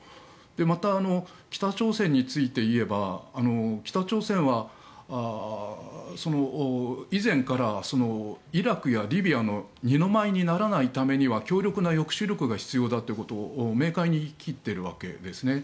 また、北朝鮮についていえば北朝鮮は以前からイラクやリビアの二の舞にならないためには強力な抑止力が必要だということを明快に言い切っているわけですね。